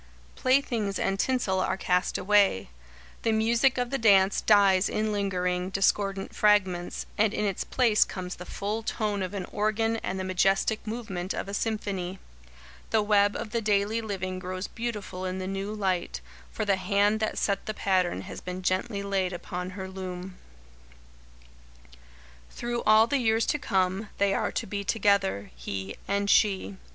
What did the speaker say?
Playthings and tinsel are cast away. The music of the dance dies in lingering, discordant fragments, and in its place comes the full tone of an organ and the majestic movement of a symphony. The web of the daily living grows beautiful in the new light, for the Hand that set the pattern has been gently laid upon her loom. [Sidenote: Through all the Years to Come] Through all the years to come, they are to be together; he and she.